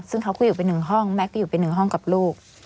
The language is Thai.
ซึ่งเขาก็อยู่เป็นหนึ่งห้องแม่ก็อยู่เป็นหนึ่งห้องกับลูก